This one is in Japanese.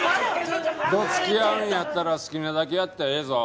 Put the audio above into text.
どつき合うんやったら好きなだけやってええぞ。